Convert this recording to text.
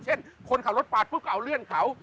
คนขับรถปาดปุ๊บก็เอาเลื่อนเขา